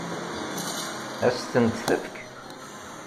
Ad s-tent-tefk?